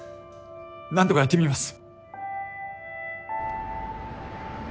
なんとかやってみます。